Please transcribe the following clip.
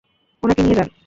উনাকে নিয়ে যান।